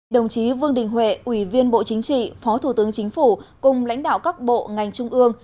đồng chí vương đình huệ ủy viên bộ chính trị phó thủ tướng chính phủ cùng lãnh đạo các bộ ngành trung ương